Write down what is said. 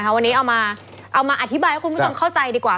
วันนี้เอามาอธิบายให้คุณผู้ชมเข้าใจดีกว่า